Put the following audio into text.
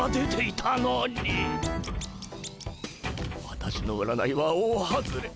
私の占いは大外れ。